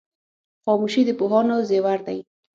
خاموشي د پوهانو زیور دی.